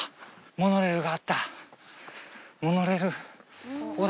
モノレールがあった。